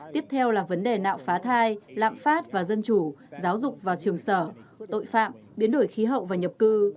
tiếp theo là vấn đề nạo phá thai lạm phát và dân chủ giáo dục và trường sở tội phạm biến đổi khí hậu và nhập cư